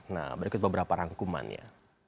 nah berikut beberapa rangkumannya